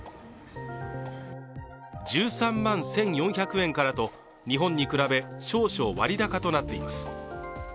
１３万１４００円からと、日本に比べ少々割高となっています。